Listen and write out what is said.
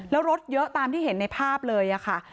แล้วรถเยอะตามที่เห็นในภาพเลยค่ะ